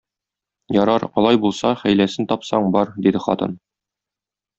Ярар, алай булса, хәйләсен тапсаң, бар, - диде хатын.